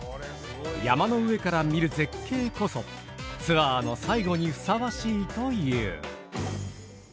山の上から見る絶景こそツアーの最後にふさわしいという。